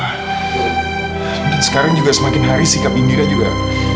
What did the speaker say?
nah sekarang juga semakin hari sikap indira juga